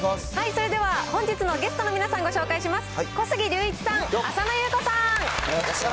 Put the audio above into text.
それでは本日のゲストの皆さん、ご紹介します。